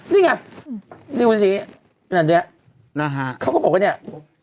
นี่ไงนี่วันนี้นั่นเนี่ยเขาก็บอกว่าเนี่ย